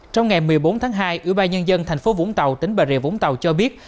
trong ngày một mươi bốn tháng hai ủy ban nhân dân thành phố vũng tàu tỉnh bà rịa vũng tàu cho biết